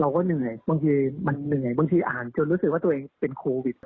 เหนื่อยบางทีมันเหนื่อยบางทีอ่านจนรู้สึกว่าตัวเองเป็นโควิด